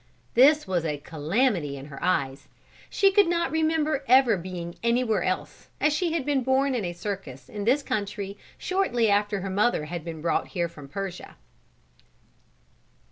This was a calamity in her eyes. She could not remember ever being anywhere else, as she had been born in a circus in this country shortly after her mother had been brought here from Persia.